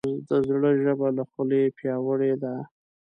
د زړه ژبه له خولې پیاوړې ده.